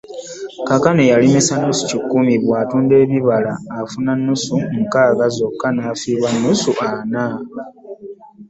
Kaakano eyalimisa nnusu ekikumi bw'atunda ebibala afuna nnusu nkaaga zokka n'afiirwayo nnusu ana.